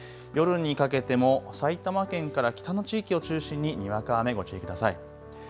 夜にかけても埼玉県から北の地域を中心ににわか雨ご注意ください。